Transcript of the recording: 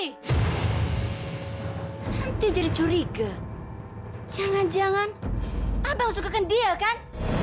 nanti jadi curiga jangan jangan abang sukakan dia kan